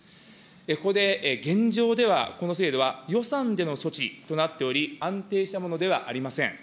ここで現状では、この制度は、予算での措置となっており、安定したものではありません。